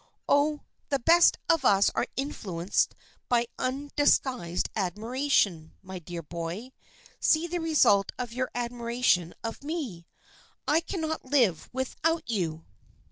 " Oh, the best of us are influenced by undis guised admiration, my dear boy. See the result of your admiration of me. I cannot live without you."